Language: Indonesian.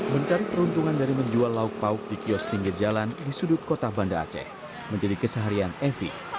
mencari peruntungan dari menjual lauk pauk di kios pinggir jalan di sudut kota banda aceh menjadi keseharian evi